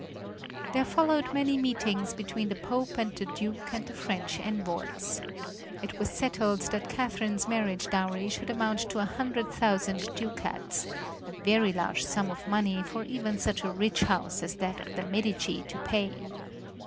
There followed many meetings between the Pope and the Duke and the French envoys. It was settled that Catherine's marriage dowry should amount to a hundred thousand ducats, a very large sum of money for even such a rich house as that of the Medici to pay.